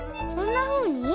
こんなふうに？